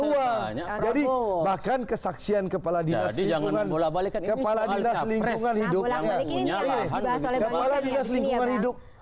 uang jadi bahkan kesaksian kepala dinas di jangan mulai balik kepala dinas lingkungan hidup